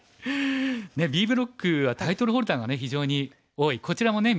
ねえＢブロックはタイトルホルダーが非常に多いこちらもね